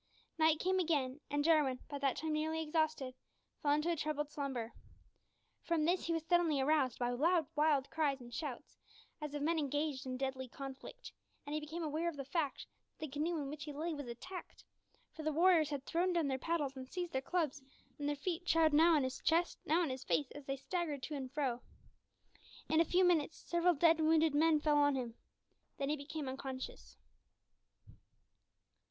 Night came again, and Jarwin by that time nearly exhausted fell into a troubled slumber. From this he was suddenly aroused by loud wild cries and shouts, as of men engaged in deadly conflict, and he became aware of the fact that the canoe in which he lay was attacked, for the warriors had thrown down their paddles and seized their clubs, and their feet trod now on his chest, now on his face, as they staggered to and fro. In a few minutes several dead and wounded men fell on him; then he became unconscious.